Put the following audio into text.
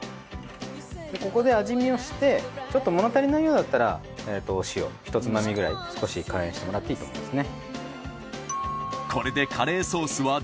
ここで味見をしてちょっと物足りないようだったら塩１つまみくらい少し加塩してもらっていいと思いますね。